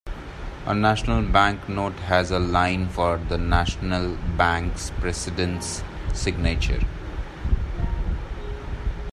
A National Bank Note has a line for the national bank's president's signature.